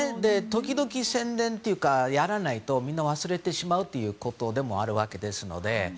時々、宣伝っていうことをやらないとみんな忘れてしまうということもあるわけですので。